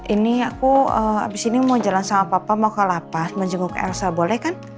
ini aku abis ini mau jalan sama papa mau ke lapas menjenguk elsa boleh kan